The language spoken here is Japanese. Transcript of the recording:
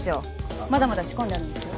まだまだ仕込んであるんですよ。